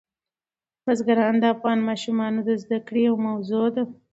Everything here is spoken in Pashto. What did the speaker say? بزګان د افغان ماشومانو د زده کړې یوه موضوع ده.